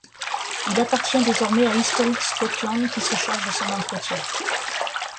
Il appartient désormais à Historic Scotland qui se charge de son entretien.